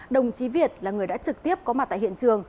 đồng chí việt là người đã trực tiếp có mặt tại hiện trường